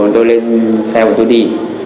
tôi lên xe của tôi đi